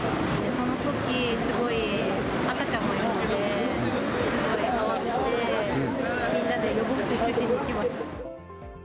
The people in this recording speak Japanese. そのとき、すごい、赤ちゃんもいるので、すごい慌ててみんなで予防接種しに行きました。